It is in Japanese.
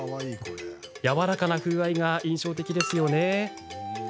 やわらかな風合いが印象的ですよね。